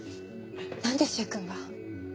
何で柊君が？